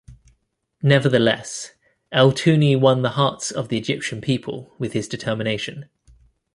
Nevertheless, Eltouny won the hearts of the Egyptian people with his determination.